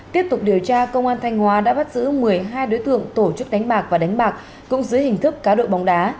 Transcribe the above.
tiếp tục điều tra công an thanh hóa đã bắt giữ một mươi hai đối tượng tổ chức đánh bạc và đánh bạc cũng dưới hình thức cá độ bóng đá